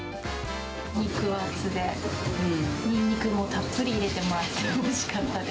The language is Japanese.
肉厚で、ニンニクもたっぷり入れてもらっておいしかったです。